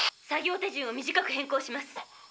作業手順を短く変更します。